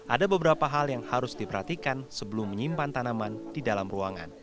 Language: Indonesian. ada beberapa hal yang harus diperhatikan sebelum menyimpan tanaman di dalam ruangan